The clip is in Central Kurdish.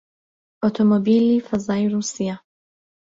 ئۆتۆمۆبیلی فەزای ڕووسیا